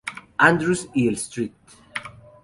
Andrews y el St.